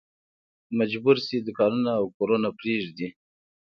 مجبور شي دوکانونه او کورونه پرېږدي.